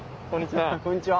こんにちは。